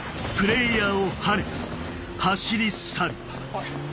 おい！